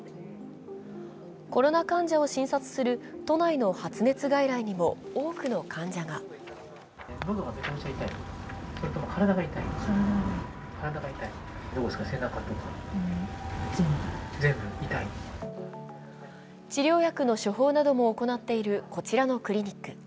コロナ患者を診察する都内の発熱外来にも多くの患者が治療薬の処方なども行っているこちらのクリニック。